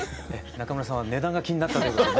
中村さんは値段が気になったようですね。